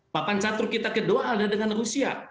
papan catur kita kedua ada dengan rusia